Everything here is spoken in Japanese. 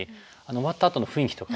終わったあとの雰囲気とかもね。